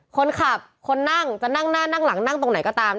คนขับคนนั่งจะนั่งหน้านั่งหลังนั่งตรงไหนก็ตาม